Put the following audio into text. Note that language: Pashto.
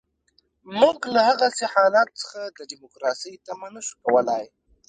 موږ له دغسې حالت څخه د ډیموکراسۍ تمه نه شو کولای.